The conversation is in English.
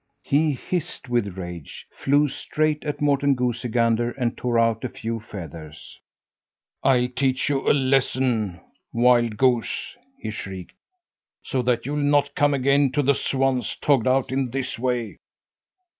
He hissed with rage, flew straight at Morten Goosey Gander and tore out a few feathers. "I'll teach you a lesson, wild goose," he shrieked, "so that you'll not come again to the swans, togged out in this way!"